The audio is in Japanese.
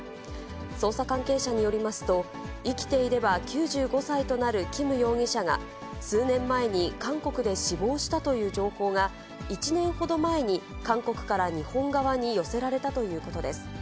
捜査関係者によりますと、生きていれば９５歳となるキム容疑者が、数年前に韓国で死亡したという情報が、１年ほど前に韓国から日本側に寄せられたということです。